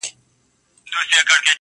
په رڼا كي يې پر زړه ځانمرگى وسي,